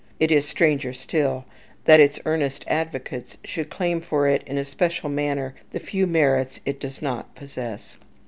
It is stranger still that its earnest advocates should claim for it in a special manner the few merits it does not possess.